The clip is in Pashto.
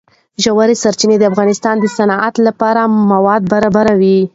ژورې سرچینې د افغانستان د صنعت لپاره مواد برابروي.